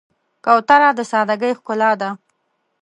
کوتره د سادګۍ ښکلا ده.